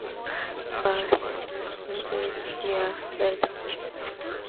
"Past the Edges" followed a year later.